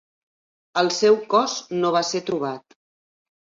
El seu cos no va ser trobat.